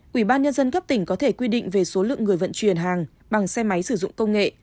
quỹ ban nhân dân cấp tỉnh có thể quy định về số lượng người vận chuyển hàng bằng xe máy sử dụng công nghệ